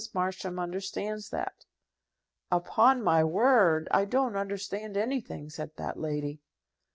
Marsham understands that." "Upon my word, I don't understand anything," said that lady.